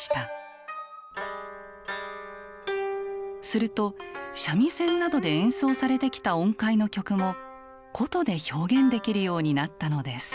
すると三味線などで演奏されてきた音階の曲も箏で表現できるようになったのです。